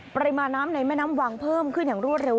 ปริมาณน้ำในแม่น้ำวังเพิ่มขึ้นอย่างรวดเร็ว